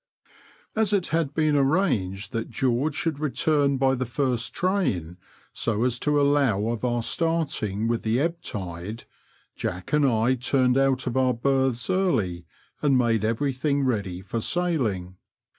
As it had been arranged that Oeorge should return by the first train, so as to allow of our starting with the ebb tide^ Jack and I turned out of our berths early, and made every thing ready for sailing.